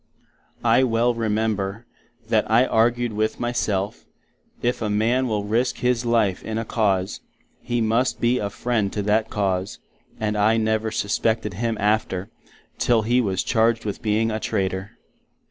I well remember, that I argued with my self, if a Man will risque his life in a Cause, he must be a Friend to that cause; and I never suspected him after, till He was charged with being a Traytor.